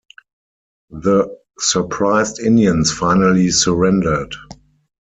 The surprised Indians finally surrendered.